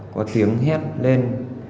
có tiếng hét lên